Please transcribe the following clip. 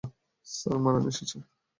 Sir, Maran এসেছে।